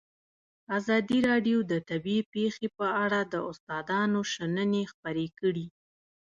ازادي راډیو د طبیعي پېښې په اړه د استادانو شننې خپرې کړي.